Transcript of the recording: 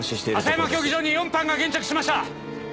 朝山競技場に４班が現着しました！